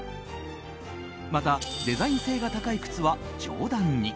また、デザイン性が高い靴は上段に。